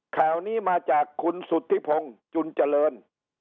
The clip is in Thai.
ข่าวนี้มาจากคุณสุธิพงศ์จุนเจริญ